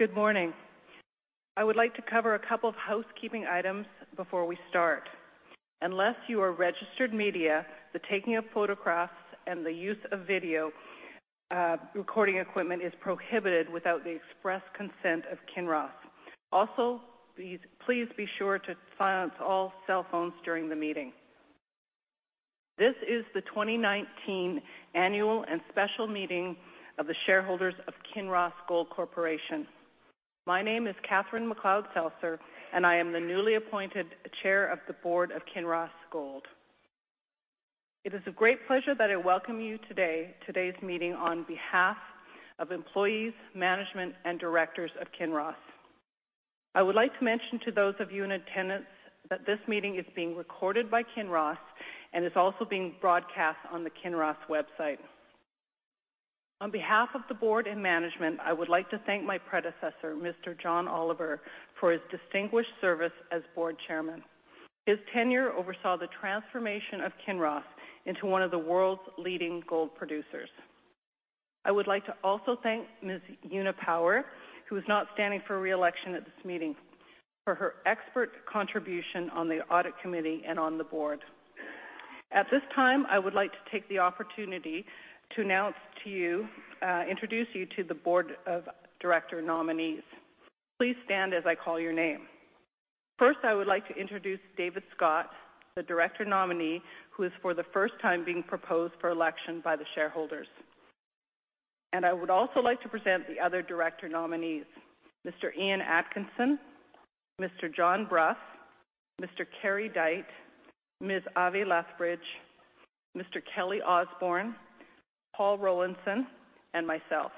Good morning. I would like to cover a couple of housekeeping items before we start. Unless you are registered media, the taking of photographs and the use of video recording equipment is prohibited without the express consent of Kinross. Also, please be sure to silence all cell phones during the meeting. This is the 2019 annual and special meeting of the shareholders of Kinross Gold Corporation. My name is Catherine McLeod-Seltzer, and I am the newly appointed chair of the board of Kinross Gold. It is a great pleasure that I welcome you to today's meeting on behalf of employees, management, and directors of Kinross. I would like to mention to those of you in attendance that this meeting is being recorded by Kinross and is also being broadcast on the Kinross website. On behalf of the board and management, I would like to thank my predecessor, Mr. John Oliver, for his distinguished service as board chairman. His tenure oversaw the transformation of Kinross into one of the world's leading gold producers. I would like to also thank Ms. Una Power, who is not standing for re-election at this meeting, for her expert contribution on the audit committee and on the board. At this time, I would like to take the opportunity to introduce you to the board of director nominees. Please stand as I call your name. First, I would like to introduce David Scott, the director nominee, who is for the first time being proposed for election by the shareholders. I would also like to present the other director nominees, Mr. Ian Atkinson, Mr. John Brough, Mr. Kerry Dyte, Ms. Ave Lethbridge, Mr. Kelly Osborne, Paul Rollinson, and myself.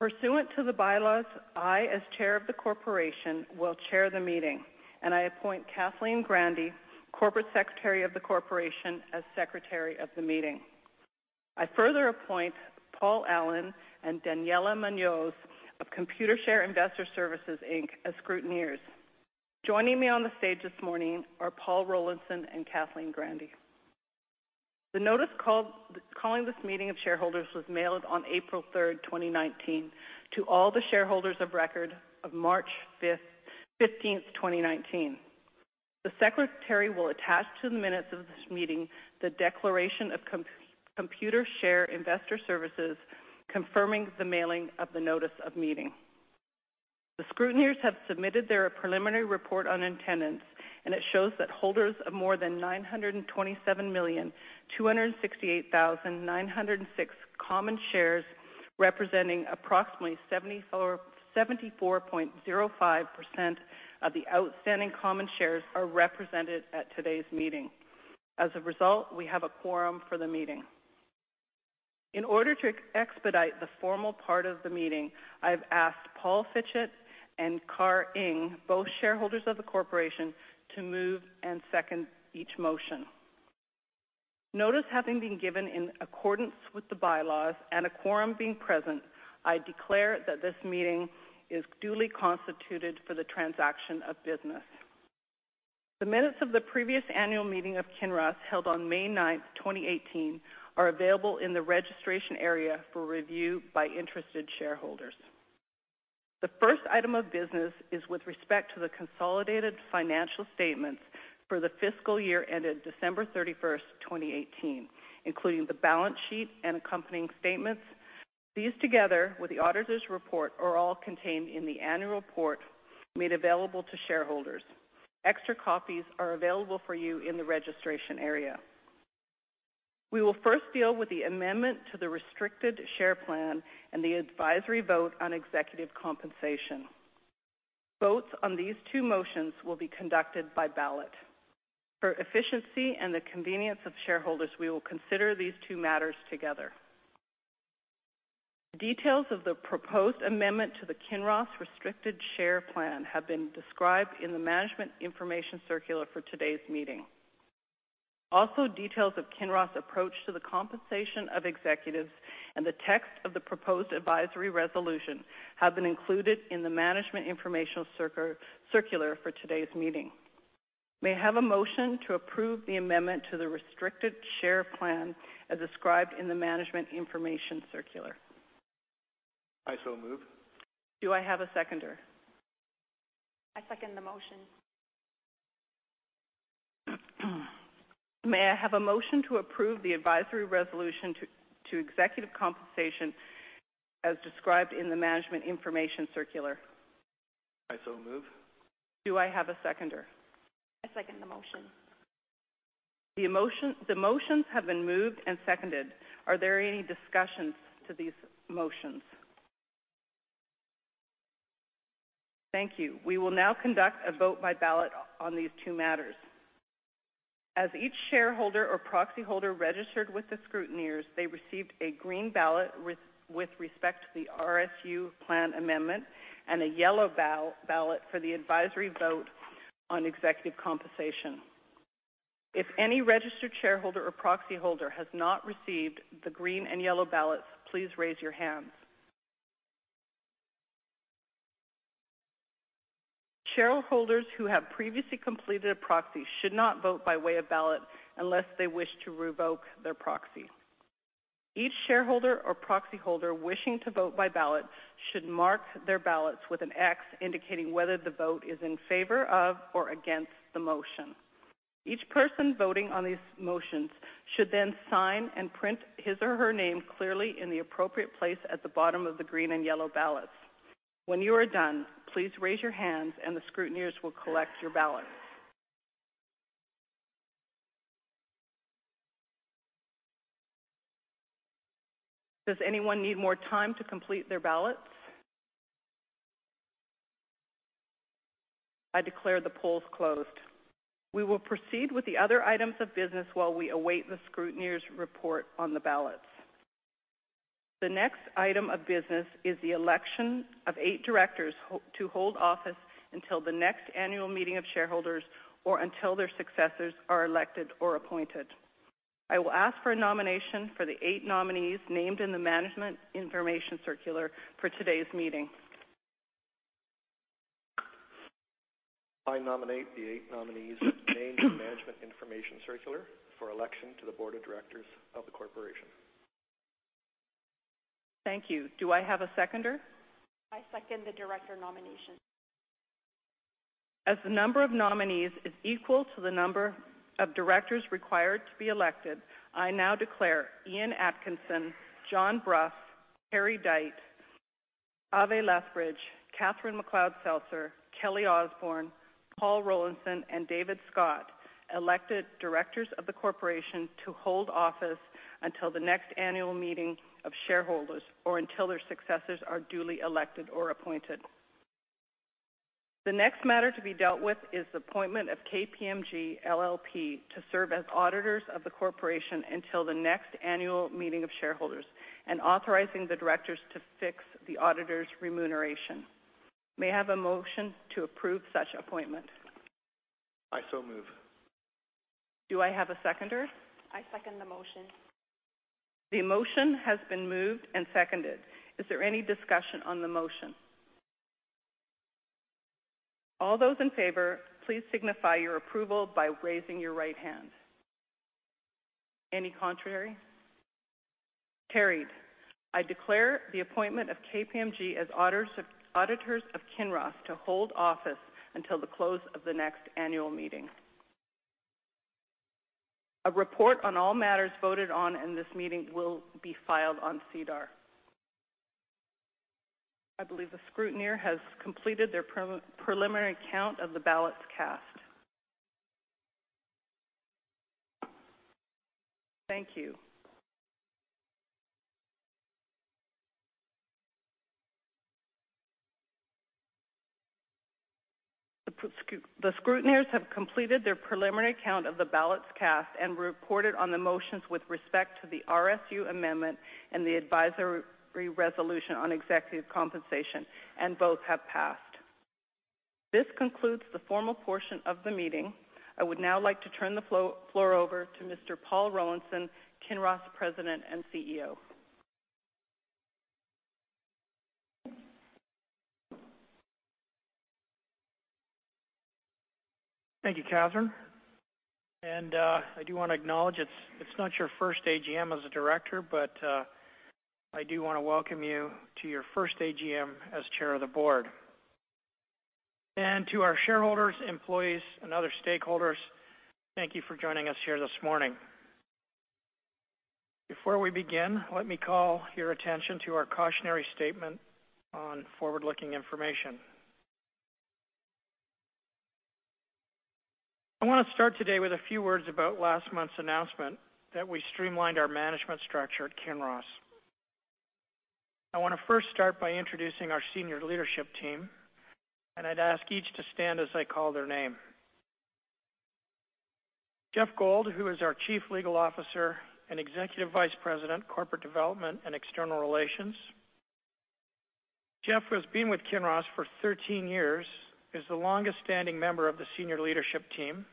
Pursuant to the bylaws, I, as chair of the corporation, will chair the meeting, and I appoint Kathleen Grandy, corporate secretary of the corporation, as secretary of the meeting. I further appoint Paul Allen and Daniela Munoz of Computershare Investor Services Inc. as scrutineers. Joining me on the stage this morning are Paul Rollinson and Kathleen Grandy. The notice calling this meeting of shareholders was mailed on April 3rd, 2019, to all the shareholders of record of March 15th, 2019. The secretary will attach to the minutes of this meeting the declaration of Computershare Investor Services confirming the mailing of the notice of meeting. The scrutineers have submitted their preliminary report on attendance, and it shows that holders of more than 927,268,906 common shares, representing approximately 74.05% of the outstanding common shares are represented at today's meeting. As a result, we have a quorum for the meeting. In order to expedite the formal part of the meeting, I've asked Paul Fitchett and Carr Ng, both shareholders of the corporation, to move and second each motion. Notice having been given in accordance with the bylaws and a quorum being present, I declare that this meeting is duly constituted for the transaction of business. The minutes of the previous annual meeting of Kinross, held on May 9th, 2018, are available in the registration area for review by interested shareholders. The first item of business is with respect to the consolidated financial statements for the fiscal year ended December 31st, 2018, including the balance sheet and accompanying statements. These, together with the auditor's report, are all contained in the annual report made available to shareholders. Extra copies are available for you in the registration area. We will first deal with the amendment to the restricted share plan and the advisory vote on executive compensation. Votes on these two motions will be conducted by ballot. For efficiency and the convenience of shareholders, we will consider these two matters together. Details of the proposed amendment to the Kinross restricted share plan have been described in the management information circular for today's meeting. Also, details of Kinross' approach to the compensation of executives and the text of the proposed advisory resolution have been included in the management information circular for today's meeting. May I have a motion to approve the amendment to the restricted share plan as described in the management information circular? I so move. Do I have a seconder? I second the motion. May I have a motion to approve the advisory resolution to executive compensation as described in the management information circular? I so move. Do I have a seconder? I second the motion. The motions have been moved and seconded. Are there any discussions to these motions? Thank you. We will now conduct a vote by ballot on these two matters. As each shareholder or proxy holder registered with the scrutineers, they received a green ballot with respect to the RSU plan amendment and a yellow ballot for the advisory vote on executive compensation. If any registered shareholder or proxy holder has not received the green and yellow ballots, please raise your hands. Shareholders who have previously completed a proxy should not vote by way of ballot unless they wish to revoke their proxy. Each shareholder or proxy holder wishing to vote by ballot should mark their ballots with an X indicating whether the vote is in favor of or against the motion. Each person voting on these motions should then sign and print his or her name clearly in the appropriate place at the bottom of the green and yellow ballots. When you are done, please raise your hands and the scrutineers will collect your ballots. Does anyone need more time to complete their ballots? I declare the polls closed. We will proceed with the other items of business while we await the scrutineers' report on the ballots. The next item of business is the election of eight directors to hold office until the next annual meeting of shareholders or until their successors are elected or appointed. I will ask for a nomination for the eight nominees named in the management information circular for today's meeting. I nominate the eight nominees named in the management information circular for election to the board of directors of the corporation. Thank you. Do I have a seconder? I second the director nomination. As the number of nominees is equal to the number of directors required to be elected, I now declare Ian Atkinson, John Brough, Kerry Dyte, Ave Lethbridge, Catherine McLeod-Seltzer, Kelly Osborne, Paul Rollinson, and David Scott elected directors of the corporation to hold office until the next annual meeting of shareholders, or until their successors are duly elected or appointed. The next matter to be dealt with is the appointment of KPMG LLP to serve as auditors of the corporation until the next annual meeting of shareholders and authorizing the directors to fix the auditors' remuneration. May I have a motion to approve such appointment? I so move. Do I have a seconder? I second the motion. The motion has been moved and seconded. Is there any discussion on the motion? All those in favor, please signify your approval by raising your right hand. Any contrary? Carried. I declare the appointment of KPMG as auditors of Kinross to hold office until the close of the next annual meeting. A report on all matters voted on in this meeting will be filed on SEDAR. I believe the scrutineer has completed their preliminary count of the ballots cast. Thank you. The scrutineers have completed their preliminary count of the ballots cast and reported on the motions with respect to the RSU amendment and the advisory resolution on executive compensation, and both have passed. This concludes the formal portion of the meeting. I would now like to turn the floor over to Mr. Paul Rollinson, Kinross President and CEO. Thank you, Catherine. I do want to acknowledge it's not your first AGM as a director, but I do want to welcome you to your first AGM as Chair of the Board. To our shareholders, employees, and other stakeholders, thank you for joining us here this morning. Before we begin, let me call your attention to our cautionary statement on forward-looking information. I want to start today with a few words about last month's announcement that we streamlined our management structure at Kinross. I want to first start by introducing our senior leadership team, and I'd ask each to stand as I call their name. Jeff Gold, who is our Chief Legal Officer and Executive Vice President, Corporate Development and External Relations. Jeff has been with Kinross for 13 years, is the longest-standing member of the senior leadership team,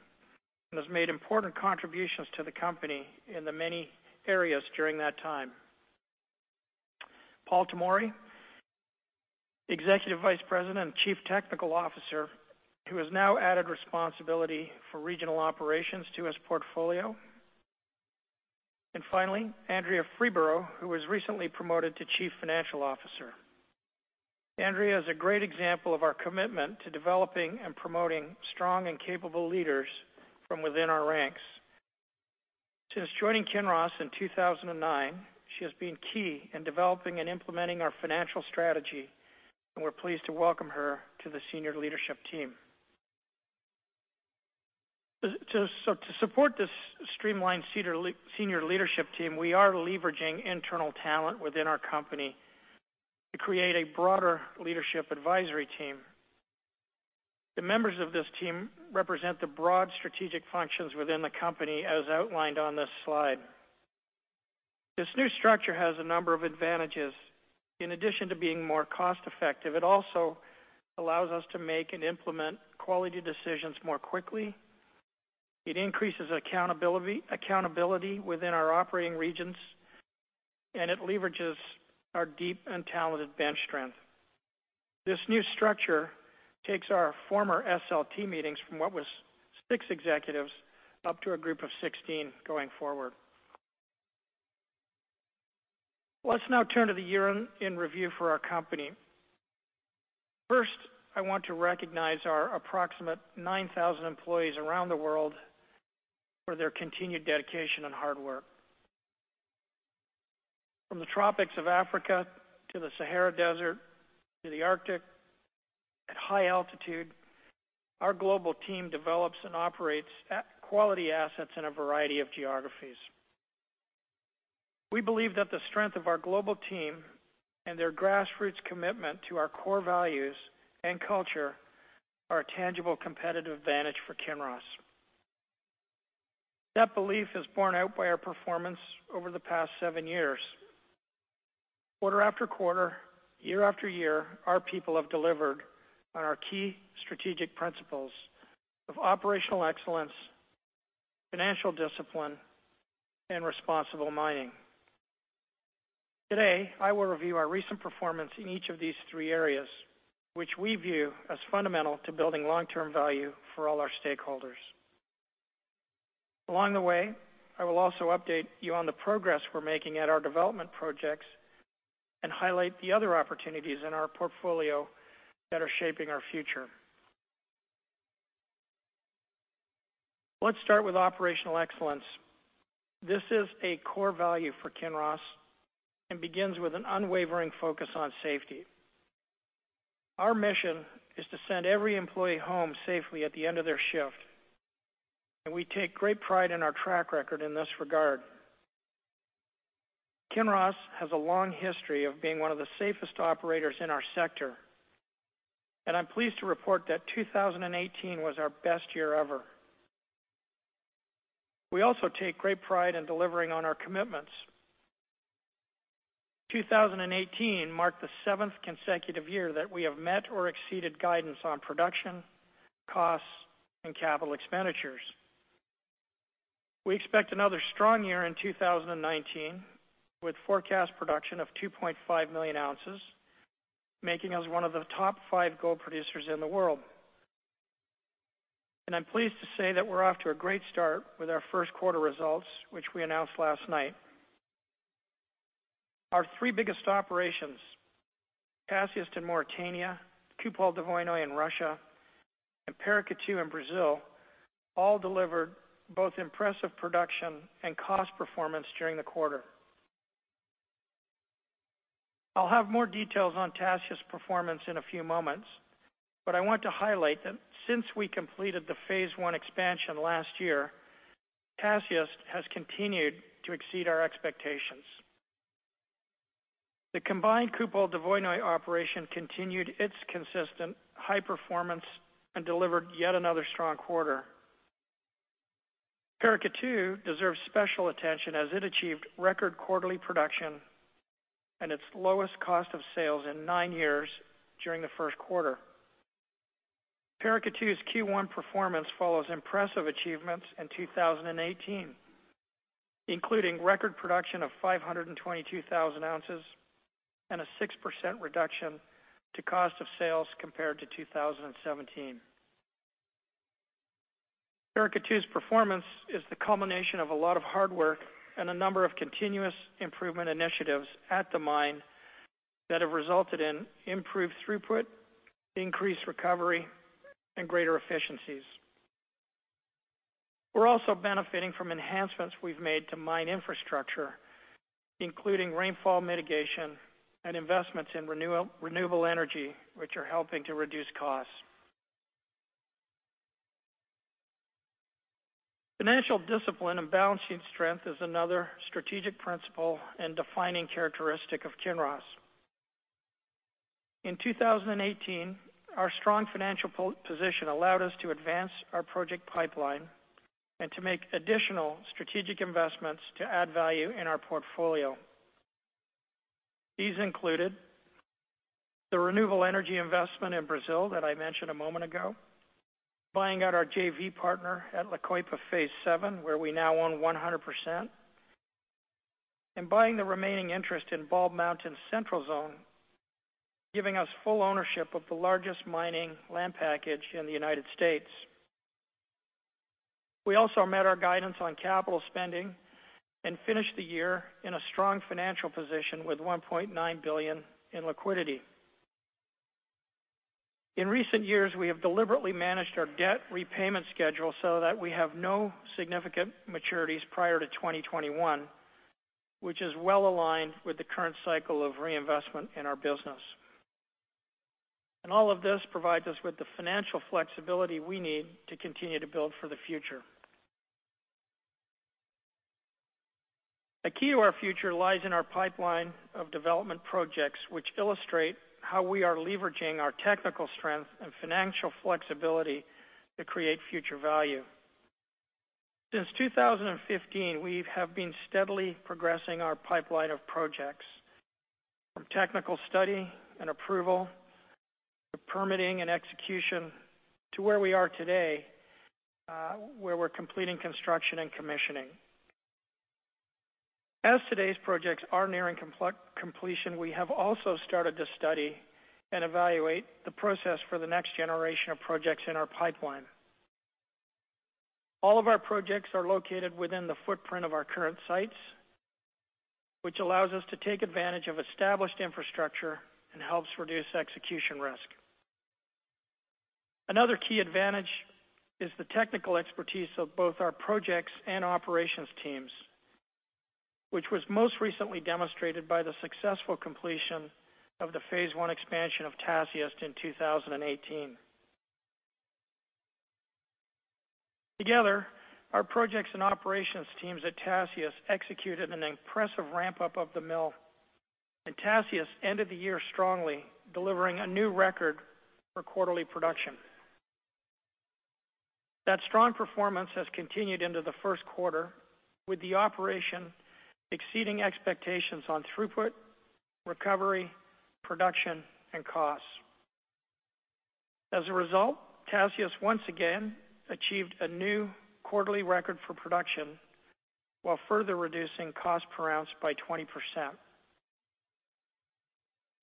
and has made important contributions to the company in the many areas during that time. Paul Tomory, Executive Vice President and Chief Technical Officer, who has now added responsibility for regional operations to his portfolio. Finally, Andrea Freeborough, who was recently promoted to Chief Financial Officer. Andrea is a great example of our commitment to developing and promoting strong and capable leaders from within our ranks. Since joining Kinross in 2009, she has been key in developing and implementing our financial strategy, and we're pleased to welcome her to the senior leadership team. To support this streamlined senior leadership team, we are leveraging internal talent within our company to create a broader leadership advisory team. The members of this team represent the broad strategic functions within the company as outlined on this slide. This new structure has a number of advantages. In addition to being more cost-effective, it also allows us to make and implement quality decisions more quickly. It increases accountability within our operating regions. It leverages our deep and talented bench strength. This new structure takes our former SLT meetings from what was 6 executives up to a group of 16 going forward. Let's now turn to the year in review for our company. First, I want to recognize our approximate 9,000 employees around the world for their continued dedication and hard work. From the tropics of Africa to the Sahara Desert to the Arctic, at high altitude, our global team develops and operates quality assets in a variety of geographies. We believe that the strength of our global team and their grassroots commitment to our core values and culture are a tangible competitive advantage for Kinross. That belief is borne out by our performance over the past seven years. Quarter after quarter, year after year, our people have delivered on our key strategic principles of operational excellence, financial discipline, and responsible mining. Today, I will review our recent performance in each of these three areas, which we view as fundamental to building long-term value for all our stakeholders. Along the way, I will also update you on the progress we're making at our development projects and highlight the other opportunities in our portfolio that are shaping our future. Let's start with operational excellence. This is a core value for Kinross and begins with an unwavering focus on safety. Our mission is to send every employee home safely at the end of their shift. We take great pride in our track record in this regard. Kinross has a long history of being one of the safest operators in our sector, and I'm pleased to report that 2018 was our best year ever. We also take great pride in delivering on our commitments. 2018 marked the seventh consecutive year that we have met or exceeded guidance on production, costs, and capital expenditures. We expect another strong year in 2019, with forecast production of 2.5 million ounces, making us one of the top five gold producers in the world. I'm pleased to say that we're off to a great start with our first quarter results, which we announced last night. Our three biggest operations, Tasiast in Mauritania, Kupol-Dvoinoye in Russia, and Paracatu in Brazil, all delivered both impressive production and cost performance during the quarter. I'll have more details on Tasiast's performance in a few moments, but I want to highlight that since we completed the Phase One expansion last year, Tasiast has continued to exceed our expectations. The combined Kupol-Dvoinoye operation continued its consistent high performance and delivered yet another strong quarter. Paracatu deserves special attention as it achieved record quarterly production and its lowest cost of sales in nine years during the first quarter. Paracatu's Q1 performance follows impressive achievements in 2018, including record production of 522,000 ounces and a 6% reduction to cost of sales compared to 2017. Paracatu's performance is the culmination of a lot of hard work and a number of continuous improvement initiatives at the mine that have resulted in improved throughput, increased recovery, and greater efficiencies. We're also benefiting from enhancements we've made to mine infrastructure, including rainfall mitigation and investments in renewable energy, which are helping to reduce costs. Financial discipline and balancing strength is another strategic principle and defining characteristic of Kinross. In 2018, our strong financial position allowed us to advance our project pipeline and to make additional strategic investments to add value in our portfolio. These included the renewable energy investment in Brazil that I mentioned a moment ago, buying out our JV partner at La Coipa Phase 7, where we now own 100%, and buying the remaining interest in Bald Mountain's Central Zone, giving us full ownership of the largest mining land package in the U.S. We also met our guidance on capital spending and finished the year in a strong financial position with $1.9 billion in liquidity. In recent years, we have deliberately managed our debt repayment schedule so that we have no significant maturities prior to 2021, which is well aligned with the current cycle of reinvestment in our business. All of this provides us with the financial flexibility we need to continue to build for the future. A key to our future lies in our pipeline of development projects, which illustrate how we are leveraging our technical strength and financial flexibility to create future value. Since 2015, we have been steadily progressing our pipeline of projects. From technical study and approval, to permitting and execution, to where we are today, where we're completing construction and commissioning. As today's projects are nearing completion, we have also started to study and evaluate the process for the next generation of projects in our pipeline. All of our projects are located within the footprint of our current sites, which allows us to take advantage of established infrastructure and helps reduce execution risk. Another key advantage is the technical expertise of both our projects and operations teams, which was most recently demonstrated by the successful completion of the Phase One expansion of Tasiast in 2018. Together, our projects and operations teams at Tasiast executed an impressive ramp-up of the mill, and Tasiast ended the year strongly, delivering a new record for quarterly production. That strong performance has continued into the first quarter, with the operation exceeding expectations on throughput, recovery, production, and costs. As a result, Tasiast once again achieved a new quarterly record for production while further reducing cost per ounce by 20%.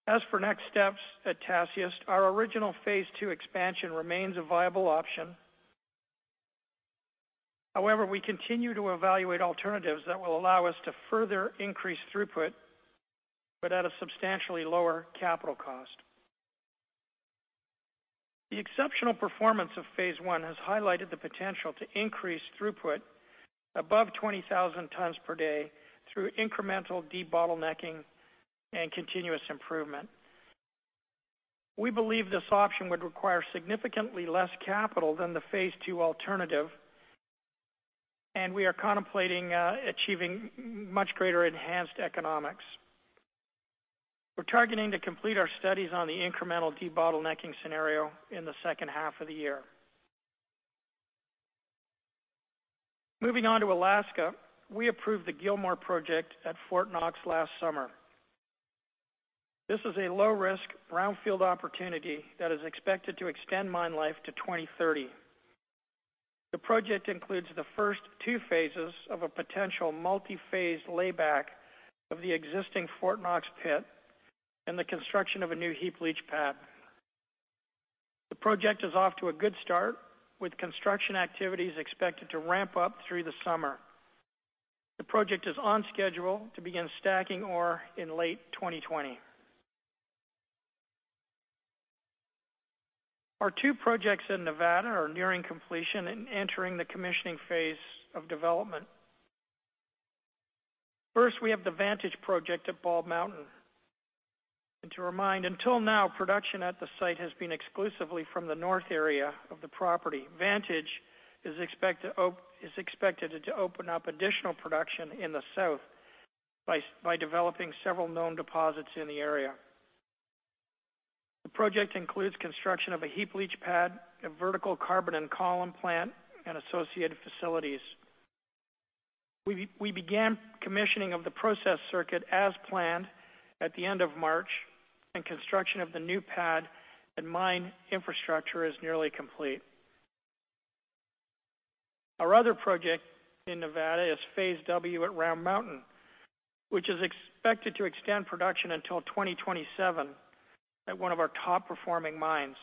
As for next steps at Tasiast, our original Phase Two expansion remains a viable option. However, we continue to evaluate alternatives that will allow us to further increase throughput, but at a substantially lower capital cost. The exceptional performance of Phase One has highlighted the potential to increase throughput above 20,000 tons per day through incremental debottlenecking and continuous improvement. We believe this option would require significantly less capital than the Phase Two alternative, and we are contemplating achieving much greater enhanced economics. We're targeting to complete our studies on the incremental debottlenecking scenario in the second half of the year. Moving on to Alaska, we approved the Gilmore project at Fort Knox last summer. This is a low-risk brownfield opportunity that is expected to extend mine life to 2030. The project includes the first 2 phases of a potential multi-phase layback of the existing Fort Knox pit and the construction of a new heap leach pad. The project is off to a good start, with construction activities expected to ramp up through the summer. The project is on schedule to begin stacking ore in late 2020. Our 2 projects in Nevada are nearing completion and entering the commissioning phase of development. First, we have the Vantage project at Bald Mountain. To remind, until now, production at the site has been exclusively from the north area of the property. Vantage is expected to open up additional production in the south by developing several known deposits in the area. The project includes construction of a heap leach pad, a vertical carbon and column plant, and associated facilities. We began commissioning of the process circuit as planned at the end of March, and construction of the new pad and mine infrastructure is nearly complete. Our other project in Nevada is Phase W at Round Mountain, which is expected to extend production until 2027 at one of our top-performing mines.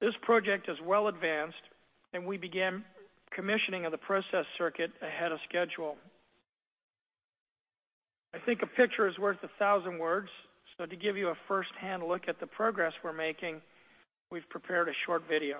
This project is well advanced, and we began commissioning of the process circuit ahead of schedule. I think a picture is worth a thousand words, to give you a first-hand look at the progress we're making, we've prepared a short video.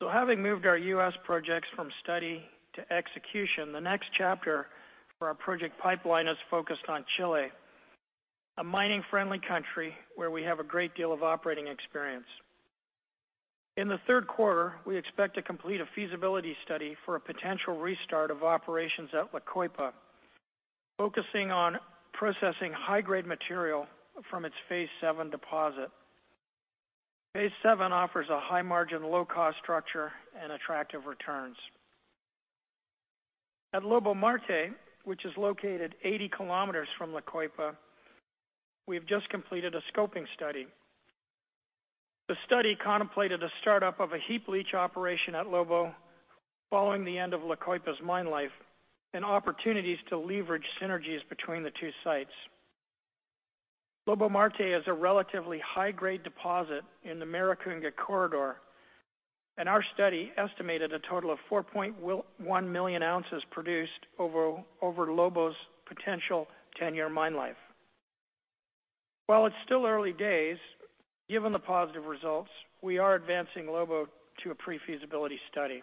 Having moved our U.S. projects from study to execution, the next chapter for our project pipeline is focused on Chile, a mining-friendly country where we have a great deal of operating experience. In the third quarter, we expect to complete a feasibility study for a potential restart of operations at La Coipa, focusing on processing high-grade material from its Phase 7 deposit. Phase 7 offers a high margin, low cost structure, and attractive returns. At Lobo-Marte, which is located 80 km from La Coipa, we've just completed a scoping study. The study contemplated a startup of a heap leach operation at Lobo following the end of La Coipa's mine life and opportunities to leverage synergies between the 2 sites. Lobo-Marte is a relatively high-grade deposit in the Maricunga Belt, and our study estimated a total of 4.1 million ounces produced over Lobo's potential 10-year mine life. While it's still early days, given the positive results, we are advancing Lobo to a pre-feasibility study.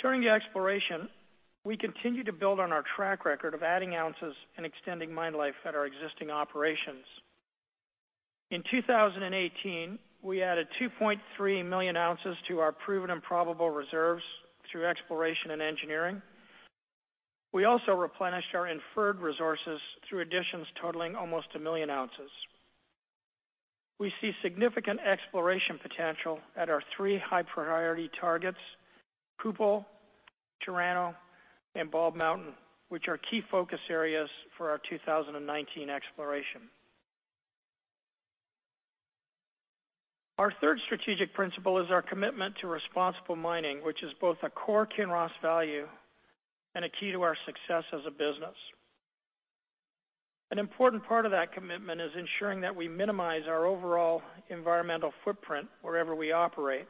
Turning to exploration, we continue to build on our track record of adding ounces and extending mine life at our existing operations. In 2018, we added 2.3 million ounces to our proven and probable reserves through exploration and engineering. We also replenished our inferred resources through additions totaling almost a million ounces. We see significant exploration potential at our three high priority targets, Kupol, Chirano, and Bald Mountain, which are key focus areas for our 2019 exploration. Our third strategic principle is our commitment to responsible mining, which is both a core Kinross value and a key to our success as a business. An important part of that commitment is ensuring that we minimize our overall environmental footprint wherever we operate.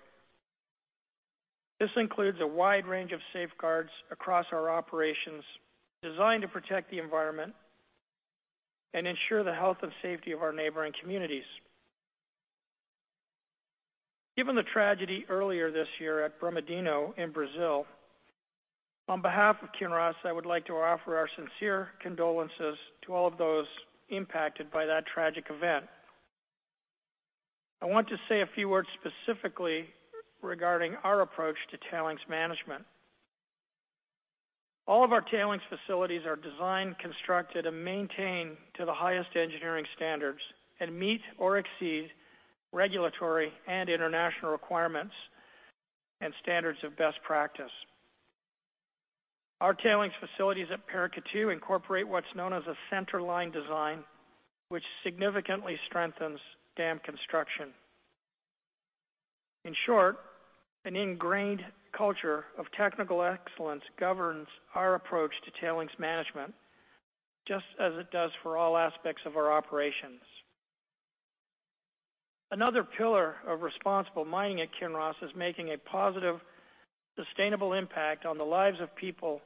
This includes a wide range of safeguards across our operations designed to protect the environment and ensure the health and safety of our neighboring communities. Given the tragedy earlier this year at Brumadinho in Brazil, on behalf of Kinross, I would like to offer our sincere condolences to all of those impacted by that tragic event. I want to say a few words specifically regarding our approach to tailings management. All of our tailings facilities are designed, constructed, and maintained to the highest engineering standards and meet or exceed regulatory and international requirements and standards of best practice. Our tailings facilities at Paracatu incorporate what's known as a centerline design, which significantly strengthens dam construction. In short, an ingrained culture of technical excellence governs our approach to tailings management, just as it does for all aspects of our operations. Another pillar of responsible mining at Kinross is making a positive, sustainable impact on the lives of people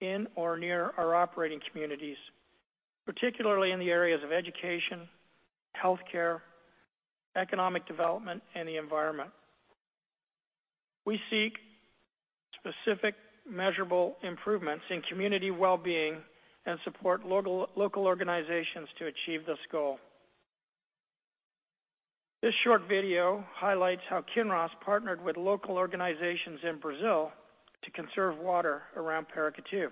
in or near our operating communities, particularly in the areas of education, healthcare, economic development, and the environment. We seek specific, measurable improvements in community wellbeing and support local organizations to achieve this goal. This short video highlights how Kinross partnered with local organizations in Brazil to conserve water around Paracatu.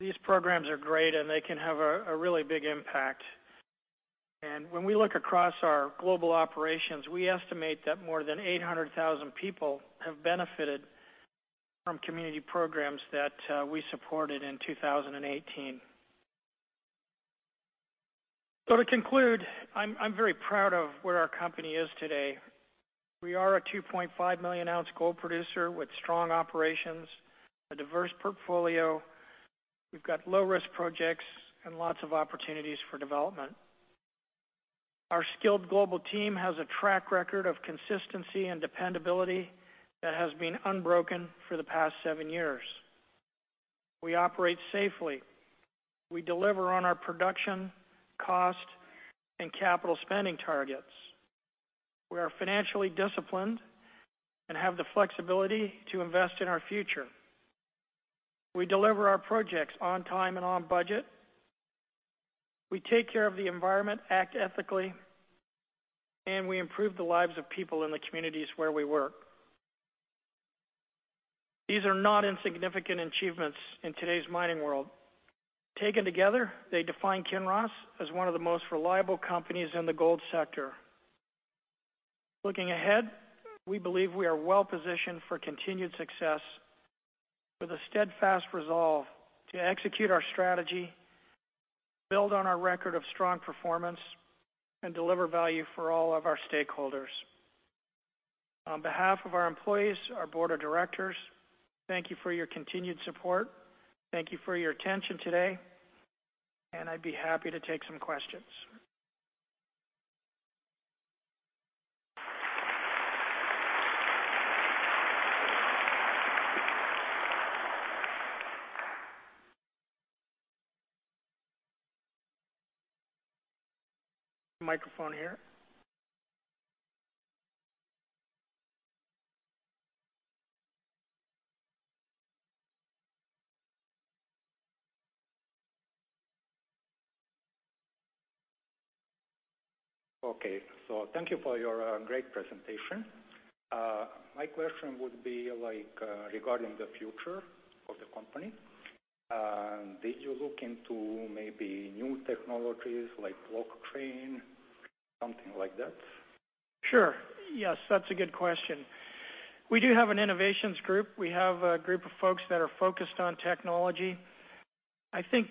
These programs are great, and they can have a really big impact. When we look across our global operations, we estimate that more than 800,000 people have benefited from community programs that we supported in 2018. To conclude, I'm very proud of where our company is today. We are a 2.5-million-ounce gold producer with strong operations, a diverse portfolio. We've got low-risk projects and lots of opportunities for development. Our skilled global team has a track record of consistency and dependability that has been unbroken for the past seven years. We operate safely. We deliver on our production, cost, and capital spending targets. We are financially disciplined and have the flexibility to invest in our future. We deliver our projects on time and on budget. We take care of the environment, act ethically, and we improve the lives of people in the communities where we work. These are not insignificant achievements in today's mining world. Taken together, they define Kinross as one of the most reliable companies in the gold sector. Looking ahead, we believe we are well-positioned for continued success with a steadfast resolve to execute our strategy, build on our record of strong performance, and deliver value for all of our stakeholders. On behalf of our employees, our board of directors, thank you for your continued support. Thank you for your attention today, and I'd be happy to take some questions. Microphone here. Okay. Thank you for your great presentation. My question would be regarding the future of the company. Did you look into maybe new technologies like blockchain, something like that? Sure. Yes, that's a good question. We do have an innovations group. We have a group of folks that are focused on technology. I think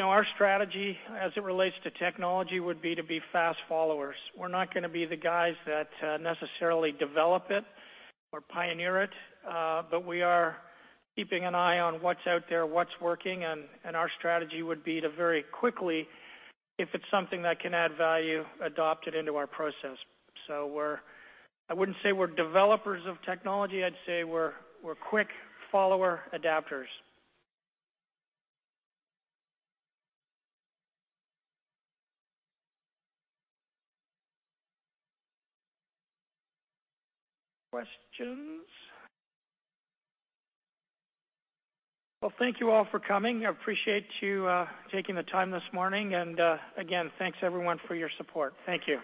our strategy as it relates to technology would be to be fast followers. We're not going to be the guys that necessarily develop it or pioneer it. We are keeping an eye on what's out there, what's working, and our strategy would be to very quickly, if it's something that can add value, adopt it into our process. I wouldn't say we're developers of technology, I'd say we're quick follower adapters. Questions? Well, thank you all for coming. I appreciate you taking the time this morning and, again, thanks everyone for your support. Thank you.